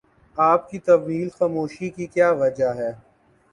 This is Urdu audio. آپ کی طویل خاموشی کی کیا وجہ ہے؟